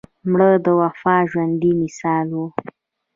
مړه د وفا ژوندي مثال وه